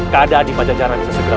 keadaan di pajajaran bisa segera